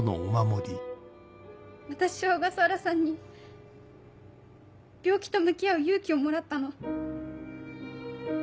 私は小笠原さんに病気と向き合う勇気をもらったの。